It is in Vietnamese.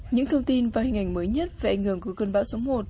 những thông tin và hình ảnh mới nhất về ảnh hưởng của cơn bão số một